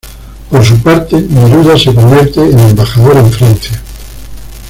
Por su parte Neruda se convierte en embajador en Francia.